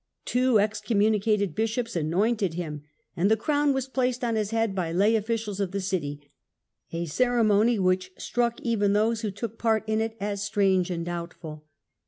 Two ex communicated Bishops anointed him and the crown was placed on his head by lay officials of the city ; a ceremony which struck even those who took part in it as strange and doubtful.